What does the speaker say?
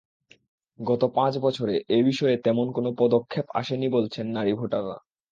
গত পাঁচ বছরে এ বিষয়ে তেমন কোনো পদক্ষেপ আসেনি বলছেন নারী ভোটাররা।